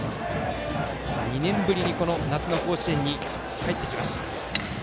２年ぶりに夏の甲子園に帰ってきた浦和学院。